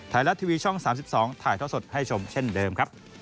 ไทยรัฐทีวีช่อง๓๒ถ่ายท่อสดให้ชมเช่นเดิมครับ